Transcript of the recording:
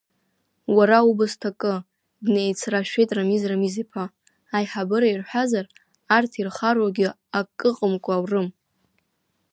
Уара убз ҭакы, днеицрашәеит Рамиз Рамиз-иԥа, аиҳабыра ирҳәазар, арҭ ирхароугьы акыҟамкәа аурым.